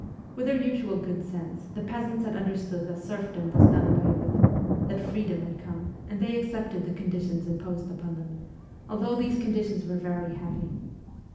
With their usual good sense, the peasants had under stood that serfdom was done away with, that ' freedom had come,' and they accepted the conditions imposed upon them, although these conditions were very heavy.